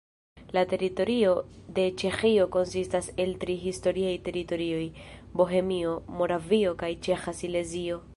La teritorio de Ĉeĥio konsistas el tri historiaj teritorioj: Bohemio, Moravio kaj Ĉeĥa Silezio.